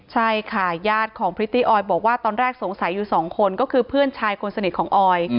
ใช่ค่ะญาติของพริตตี้ออยบอกว่าตอนแรกสงสัยอยู่สองคนก็คือเพื่อนชายคนสนิทของออย